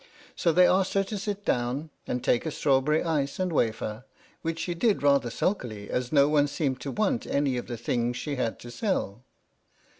So they asked her to sit down, and take a strawberry ice and a wafer, which she did rather sulkily as no one seemed to want any of the things she had to sell.